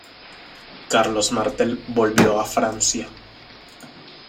Carlos Martel volvió a Francia.